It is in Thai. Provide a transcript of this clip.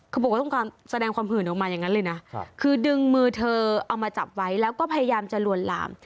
เขาบอกว่าต้องแสดงความหื่นออกมาอย่างนั้นเลยนะคือดึงมือเธอเอามาจับไว้แล้วก็พยายามจะลวนลาม